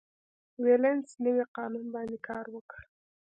وېلسن نوي قانون باندې کار وکړ.